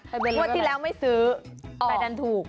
งวดที่แล้วไม่ซื้อแต่ดันถูก